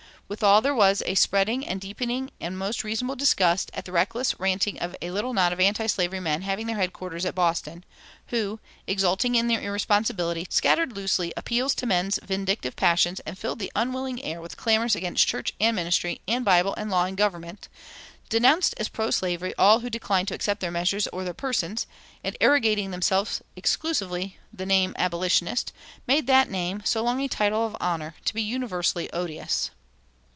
Withal there was a spreading and deepening and most reasonable disgust at the reckless ranting of a little knot of antislavery men having their headquarters at Boston, who, exulting in their irresponsibility, scattered loosely appeals to men's vindictive passions and filled the unwilling air with clamors against church and ministry and Bible and law and government, denounced as "pro slavery" all who declined to accept their measures or their persons, and, arrogating to themselves exclusively the name of abolitionist, made that name, so long a title of honor, to be universally odious.